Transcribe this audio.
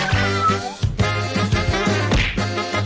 สวัสดีค่ะ